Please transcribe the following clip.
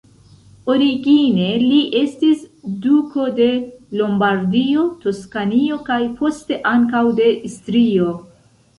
Origine, li estis duko de Lombardio, Toskanio kaj, poste, ankaŭ de Istrio.